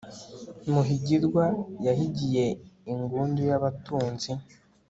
muhigirwa yahigiye ingundu y'abatunzi